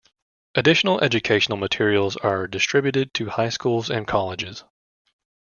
Additional educational materials are distributed to high schools and colleges.